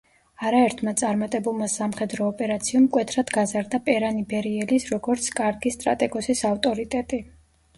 არაერთმა წარმატებულმა სამხედრო ოპერაციამ მკვეთრად გაზარდა პერან იბერიელის, როგორც კარგი სტრატეგოსის ავტორიტეტი.